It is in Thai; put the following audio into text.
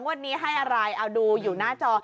วันนี้ให้อะไรเอาดูอยู่หน้าจอ